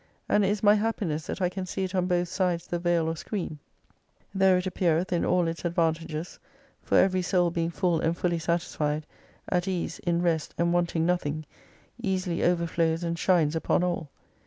And it is my happiness that I can see it on both sides the veil or screen. There it appeareth in all its advantages, for every soul being full and fully satisfied, at ease, in rest, and wanting nothing, easily overflows and shines upon all.